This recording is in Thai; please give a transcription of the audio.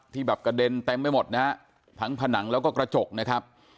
แบบกระเด็นเต็มไปหมดนะฮะทั้งผนังแล้วก็กระจกนะครับ